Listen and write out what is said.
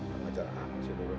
bagaimana cara abah sih dulu